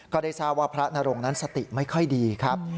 ก็ได้ทราบว่าพระนรงนั้นสติไม่ค่อยดีครับ